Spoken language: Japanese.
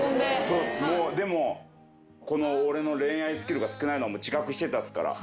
そうっすでもこの俺の恋愛スキルが少ないのは自覚してたっすから。